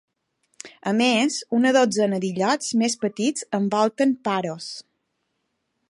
A més, una dotzena d'illots més petits envolten Paros.